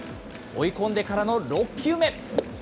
追い込んでからの６球目。